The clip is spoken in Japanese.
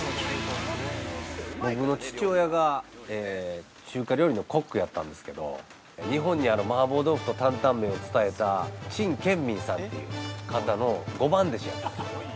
◆僕の父親が中華料理のコックやったんですけど日本に麻婆豆腐と担々麺を伝えた陳建民さんという方の５番弟子やったんです。